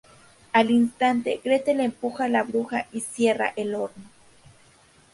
Al instante, Gretel empuja a la bruja y cierra el horno.